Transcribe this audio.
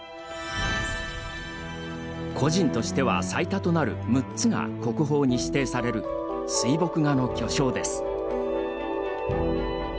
個人としては最多となる６つが国宝に指定される水墨画の巨匠です。